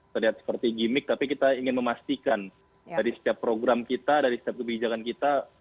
terlihat seperti gimmick tapi kita ingin memastikan dari setiap program kita dari setiap kebijakan kita